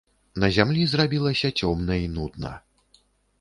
На зямлі зрабілася цёмна і нудна.